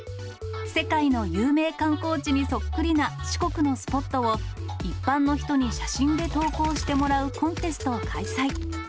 世界の有名観光地にそっくりな四国のスポットを、一般の人に写真で投稿してもらうコンテストを開催。